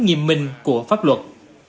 nghiêm minh của pháp luật